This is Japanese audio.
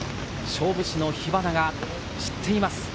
勝負師の火花が散っています。